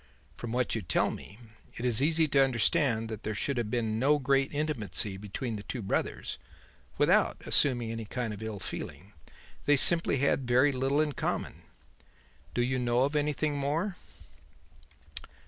From what you tell me, it is easy to understand that there should have been no great intimacy between the two brothers, without assuming any kind of ill feeling. They simply had very little in common. Do you know of anything more?"